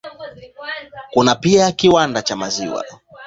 Kuna pia kiwanda cha maziwa.